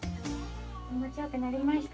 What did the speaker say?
気持ちよくなりました。